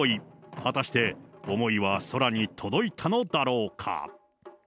果たして思いは空に届いたのだろうか。